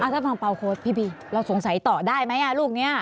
ถ้าฟังเปล่าโค้ดพี่บีเราสงสัยต่อได้ไหมลูกนี้